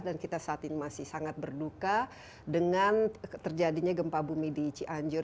dan kita saat ini masih sangat berduka dengan terjadinya gempa bumi di cianjur